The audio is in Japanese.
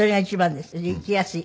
で行きやすい。